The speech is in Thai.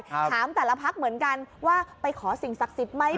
ถามแต่ละพักเหมือนกันว่าไปขอสิ่งศักดิ์สิทธิ์ไหม